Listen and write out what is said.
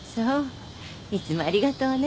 いつもありがとうね。